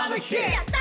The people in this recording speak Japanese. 「やった！！」